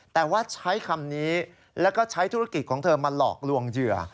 แต่ว่าใช้คำนี้แล้วก็ใช้ธุรกิจของเธอมาหลอกลวงเหยื่อ